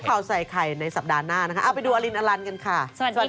เขาใส่ใครในสัปดาห์หน้านะคะไปดูอลินอลันกันค่ะ